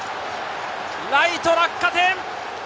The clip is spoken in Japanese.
ライト落下点。